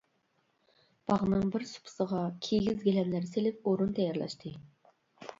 باغنىڭ بىر سوپىسىغا كىگىز گىلەملەر سېلىپ ئورۇن تەييارلاشتى.